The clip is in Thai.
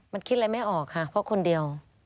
มันคิดอะไรไม่ออกค่ะเพราะคนเดียว